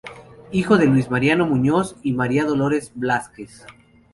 Hijo de Luis Mariano Muñoz y María Dolores Blázquez.